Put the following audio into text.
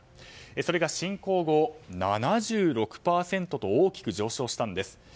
それが侵攻後７６％と大きく上昇したんです。